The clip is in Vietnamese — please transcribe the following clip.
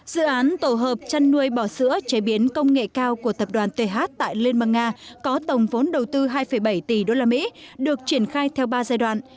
dự án tổ hợp chăn nuôi bò sữa chế biến công nghệ cao của tập đoàn th tại liên bang nga có tổng vốn đầu tư hai bảy tỷ usd được triển khai theo ba giai đoạn